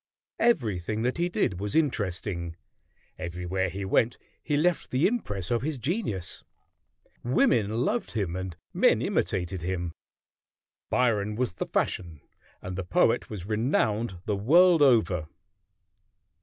Everything that he did was interesting; everywhere he went he left the impress of his genius. Women loved him, and men imitated him. Byron was the fashion, and the poet was renowned the world over.